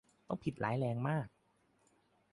ต้องผิดร้ายแรงมาก